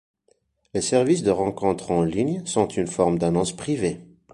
Les services de rencontre en ligne sont une forme d'annonces privées.